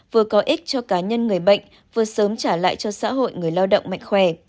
vừa có ích cho cá nhân người bệnh vừa sớm trả lại cho xã hội người lao động mạnh khỏe